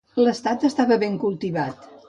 L'estat estava ben cultivat.